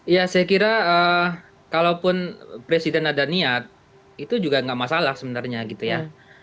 ya saya kira kalaupun presiden ada niat itu juga nggak masalah sebenarnya gitu ya